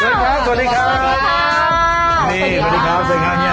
เย็นครับสวัสดีครับ